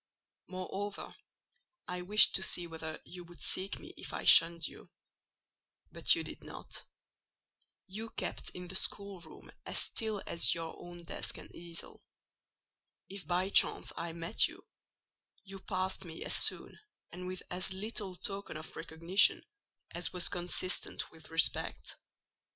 Moreover, I wished to see whether you would seek me if I shunned you—but you did not; you kept in the schoolroom as still as your own desk and easel; if by chance I met you, you passed me as soon, and with as little token of recognition, as was consistent with respect.